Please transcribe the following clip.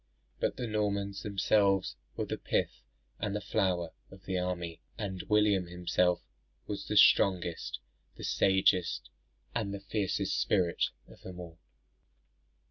But the Normans themselves were the pith and the flower of the army; and William himself was the strongest, the sagest, and fiercest spirit of them all.